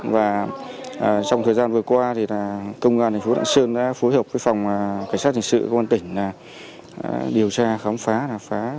và trong thời gian vừa qua thì công an thành phố lạng sơn đã phối hợp với phòng cảnh sát hình sự công an tỉnh điều tra khám phá phá chuyên án cấp giật tài sản